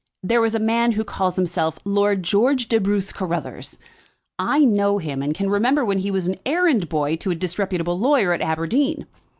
There was a man who calls himself Lord George de Bruce Carruthers. I know him, and can remember when he was errand boy to a disreputable lawyer at Aberdeen."